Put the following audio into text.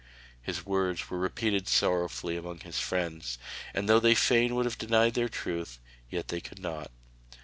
His words were repeated sorrowfully among his friends, and though they fain would have denied their truth, yet they could not.